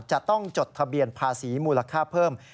จดทะเบียนภาษีมูลค่าเพิ่ม